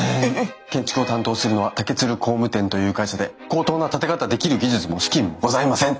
建築を担当するのは竹鶴工務店という会社で高等な建て方できる技術も資金もございません！